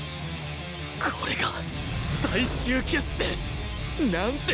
これが最終決戦！なんて試合だ！